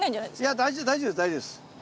いや大丈夫大丈夫大丈夫です。